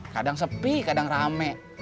kadang sepi kadang rame